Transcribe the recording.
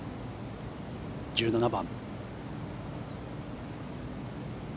１７番。